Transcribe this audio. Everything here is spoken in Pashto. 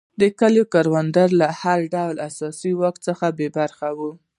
کلیوال کروندګر له هر ډول سیاسي واک څخه بې برخې وو.